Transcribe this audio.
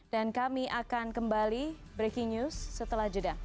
dan kami akan kembali breaking news setelah jeda